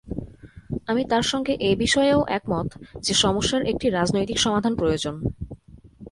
আমি তাঁর সঙ্গে এ বিষয়েও একমত যে সমস্যার একটি রাজনৈতিক সমাধান প্রয়োজন।